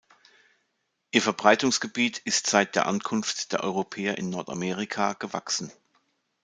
Ihr Verbreitungsgebiet ist seit der Ankunft der Europäer in Nordamerika gewachsen.